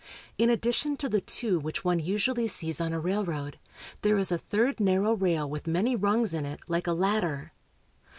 In addition to the two, which one usually sees on a railroad, there is a third narrow rail with many rungs in it, like a ladder.